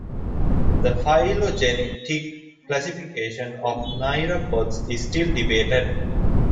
The phylogenetic classification of myriapods is still debated.